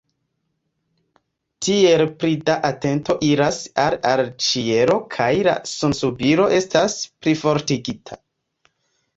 Tiel pli da atento iras al al ĉielo kaj la sunsubiro estas plifortigita.